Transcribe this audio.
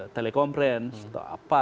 telekomprens atau apa